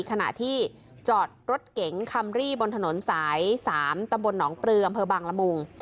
ขณะที่จอดรถเก๋งคัมรี่บนถนนสาย๓ตำบลหนองปลืออำเภอบางละมุง